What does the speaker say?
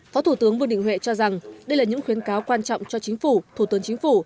phó thủ tướng vương đình huệ cho rằng đây là những khuyến cáo quan trọng cho chính phủ thủ tướng chính phủ